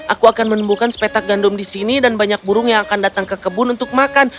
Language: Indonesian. aku akan menimbulkan sepetak gandum di sini dan banyak burung yang akan datang ke kebun untuk makan